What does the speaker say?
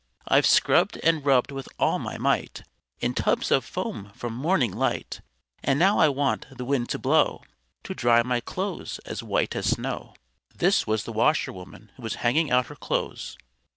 I've scrubbed and rubbed with all my might, In tubs of foam from morning light, And now I want the wind to blow To dry my clothes as white as snow_." This was the Washerwoman who was hanging out her clothes.